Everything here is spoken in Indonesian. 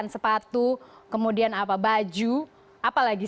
sepatu kemudian apa baju apa lagi